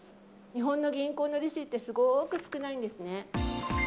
日本の銀行の利子ってすごーく少ないんですね。